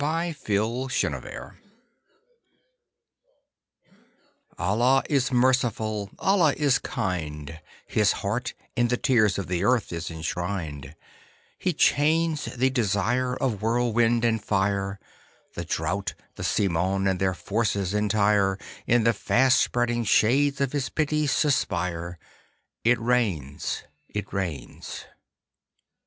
34 TH£ SONG OF RAIN Allah is merciful, Allah is kind, His heart, in the tears of the earth, is enshrined; He chains the desire Of whirlwind and fire :— The Drought, the Simoon and their forces entire, In the fast spreading shades of his pity, suspire;— It rains, it rains.